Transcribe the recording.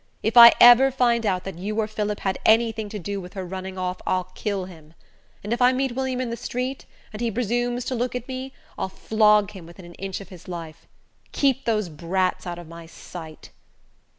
If I ever find out that you or Phillip had anything to do with her running off I'll kill him. And if I meet William in the street, and he presumes to look at me, I'll flog him within an inch of his life. Keep those brats out of my sight!"